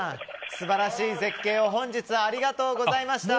素晴らしい絶景を本日はありがとうございました。